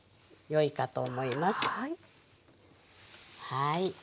はい。